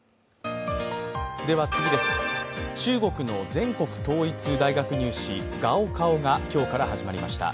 中国の全国統一大学入試高考が今日から始まりました。